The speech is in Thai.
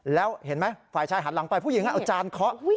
แล้วเห็นไหมฝ่ายชายหันหลังไปผู้หญิงเอาจานเคาะ